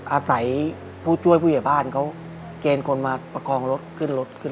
อาศัยผู้ช่วยผู้ใหญ่บ้านเขาเกณฑ์คนมาประคองรถขึ้นรถขึ้น